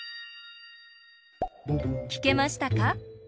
きけましたか？